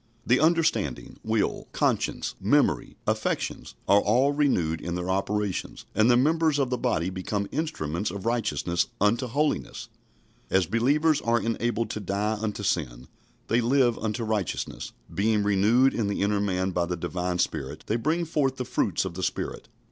The understanding, will, conscience, memory, affections are all renewed in their operations, and the members of the body become instruments of righteousness unto holiness. As believers are enabled to die unto sin, they live unto righteousness. Being renewed in the inner man by the Divine Spirit, they bring forth the fruits of the Spirit.